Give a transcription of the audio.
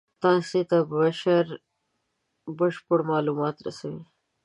تاسې ته بشپړ مالومات رسوي.